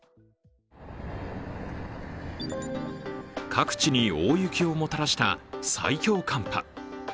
各地に大雪をもたらした最強寒波。